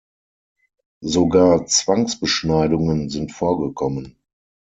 Sogar Zwangsbeschneidungen sind vorgekommen.